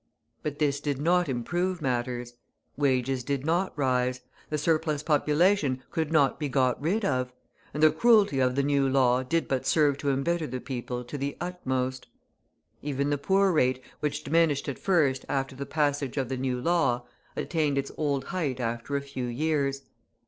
But this did not improve matters. Wages did not rise, the surplus population could not be got rid of, and the cruelty of the new law did but serve to embitter the people to the utmost. Even the poor rate, which diminished at first after the passage of the new law, attained its old height after a few years.